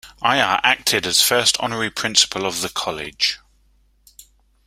Aiyar acted as first honorary principal of the college.